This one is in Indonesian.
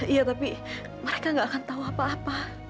iya tapi mereka gak akan tahu apa apa